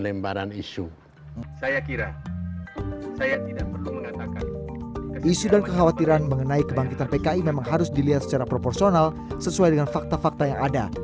isu dan kekhawatiran mengenai kebangkitan pki memang harus dilihat secara proporsional sesuai dengan fakta fakta yang ada